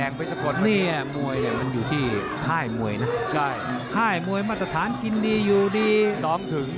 นี่มันอยู่ที่ค่ายมวยค่ายมวยมาตรฐานกินดีอยู่ดี๒ถึง